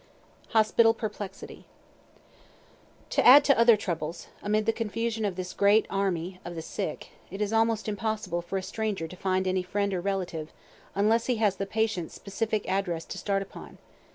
HOSPITAL PERPLEXITY To add to other troubles, amid the confusion of this great army of sick, it is almost impossible for a stranger to find any friend or relative, unless he has the patient's specific address to start upon.